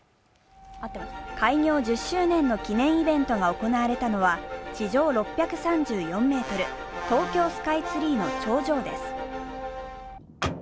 開業１０周年の記念イベントが行われたのは、地上６３４ｍ、東京スカイツリーの頂上です。